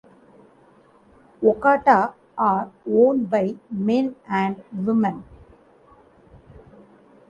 Yukata are worn by men and women.